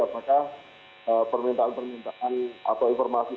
kalau tidak sudah saya tetap inginkan pemerintah kapal bahbeyasa untuk mengerjakan